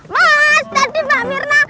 mas tadi mbak mirna